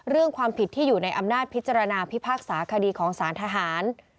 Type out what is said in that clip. เรื่องความผิดที่อยู่ในอำนาจพิจารณาพิพากษาคดีของสารทหาร